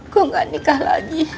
kok gak nikah lagi